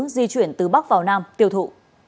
di chuyển từ bắc vào nam tiêu thụ